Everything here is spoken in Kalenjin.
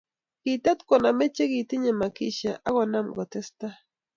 Kitet koname che kitinye makisha konam ako testai